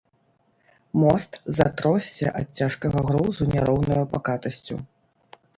Мост затросся ад цяжкага грузу няроўнаю пакатасцю.